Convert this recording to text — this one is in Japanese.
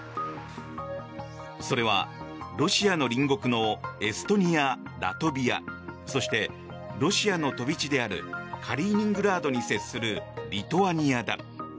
それはロシアの隣国のエストニア、ラトビアそして、ロシアの飛び地であるカリーニングラードに接するリトアニアだ。